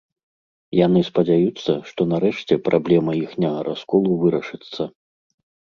Яны спадзяюцца, што нарэшце праблема іхняга расколу вырашыцца.